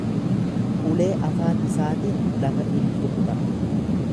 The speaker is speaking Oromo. Ulee afaan isaatiin lafa in rukuta.